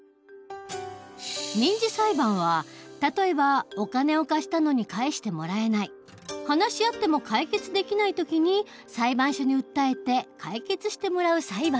民事裁判は例えばお金を貸したのに返してもらえない話し合っても解決できない時に裁判所に訴えて解決してもらう裁判の事。